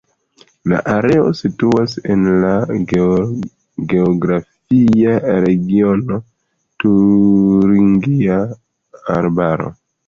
La areo situas en la geografia regiono Turingia Arbaro.